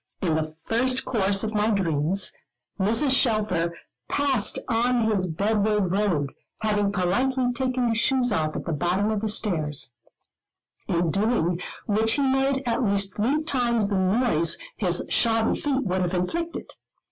In the first course of my dreams, Mr. Shelfer passed on his bedward road, having politely taken his shoes off at the bottom of the stairs; in doing which he made at least three times the noise his shodden feet would have inflicted.